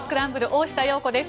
大下容子です。